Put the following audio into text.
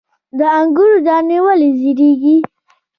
د انګورو دانې ولې رژیږي؟